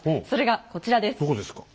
それがこちらです。